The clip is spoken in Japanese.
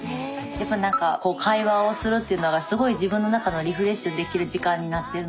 やっぱ何かこう会話をするっていうのがすごい自分の中のリフレッシュできる時間になってるので。